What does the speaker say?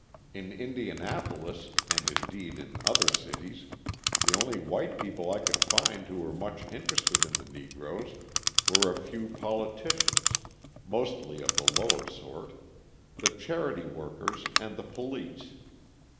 In Indianapolis, and indeed in other cities, the only white people I could find who were much interested in the Negroes were a few politicians, mostly of the lower sort, the charity workers and the police.